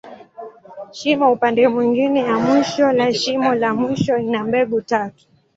Shimo upande mwingine ya mwisho la shimo la mwisho, ina mbegu tatu.